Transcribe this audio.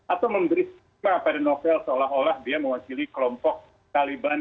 atau memberi stigma pada novel seolah olah dia mewakili kelompok taliban